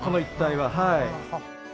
はい。